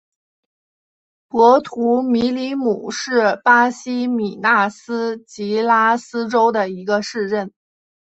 博图米里姆是巴西米纳斯吉拉斯州的一个市镇。